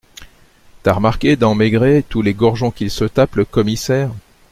T’as remarqué, dans Maigret, tous les gorgeons qu’il se tape, le commissaire ?